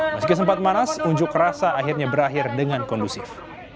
meski sempat panas unjuk rasa akhirnya berakhir dengan kondusif